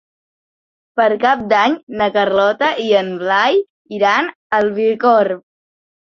Per Cap d'Any na Carlota i en Blai iran a Bicorb.